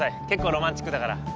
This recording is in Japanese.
結構ロマンチックだから。